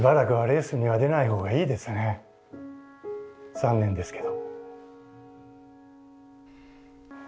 残念ですけど。